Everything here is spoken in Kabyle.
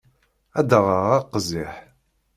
Ad d-aɣeɣ aqziḥ.